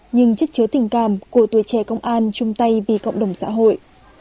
nhưng chất chứa tình cảm của tuổi trẻ công an chung tay vì cộng đồng xã hội